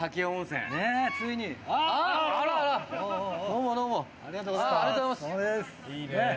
あらあら、どうもありがとうございます。